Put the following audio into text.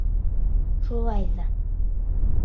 Шулай ҙа: